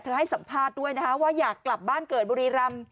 ให้สัมภาษณ์ด้วยนะคะว่าอยากกลับบ้านเกิดบุรีรำ